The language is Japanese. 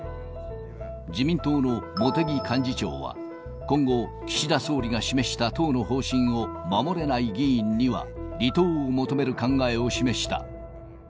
自民党の茂木幹事長は、今後、岸田総理が示した党の方針を守れない議員には離党を求める考えを示した。